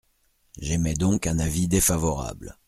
J’émets donc un avis défavorable.